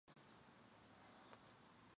为可爱的观赏鱼。